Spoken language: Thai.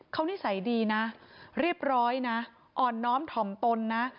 เขานิสัยดีนะเรียบร้อยนะอ่อนน้อมถ่อมตนนะ